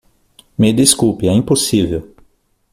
Me desculpe, é impossível.